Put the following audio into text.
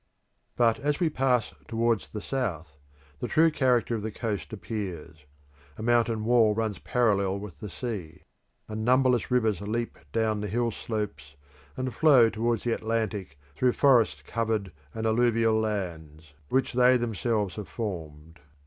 But as we pass towards the south, the true character of the coast appears. A mountain wall runs parallel with the sea, and numberless rivers leap down the hill slopes, and flow towards the Atlantic through forest covered and alluvial lands, which they themselves have formed.